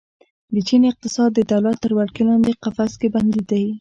د چین اقتصاد د دولت تر ولکې لاندې قفس کې بندي ده.